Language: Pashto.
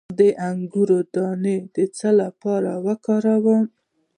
د انګور دانه د څه لپاره وکاروم؟